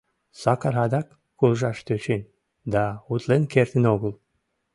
Сакар адак куржаш тӧчен, да утлен кертын огыл.